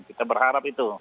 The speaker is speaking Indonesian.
kita berharap itu